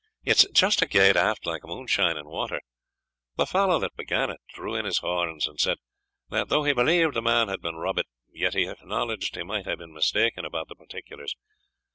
It's just a' gaed aft like moonshine in water. The fallow that began it drew in his horns, and said, that though he believed the man had been rubbit, yet he acknowledged he might hae been mista'en about the particulars.